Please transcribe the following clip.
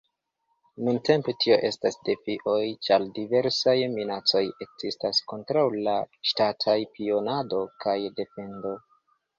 Nuntempe, tio estas defioj ĉar diversaj minacoj ekzistas kontraŭ la ŝtataj spionado kaj defendo.